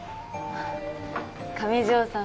上条さん